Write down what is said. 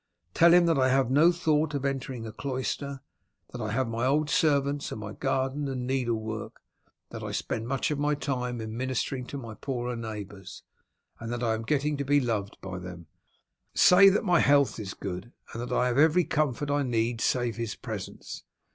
Tell him that I have no thought of entering a cloister; that I have my old servants and my garden and needle work; that I spend much of my time in ministering to my poorer neighbours, and that I am getting to be loved by them. Say that my health is good, and that I have every comfort I need save his presence.